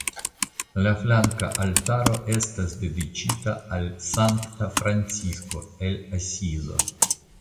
La flanka altaro estas dediĉita al Sankta Francisko el Asizo.